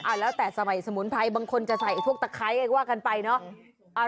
แล้วแต่สมัยสมุนไพรบางคนจะใส่พวกตะไคร้ว่ากันไปเนอะ